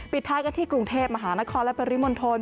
ท้ายกันที่กรุงเทพมหานครและปริมณฑล